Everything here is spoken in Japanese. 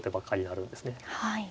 はい。